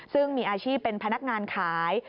ซึ่งมีอาชีพเป็นพนักงานขาย